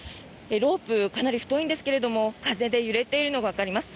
ロープ、かなり太いんですが風で揺れているのがわかります。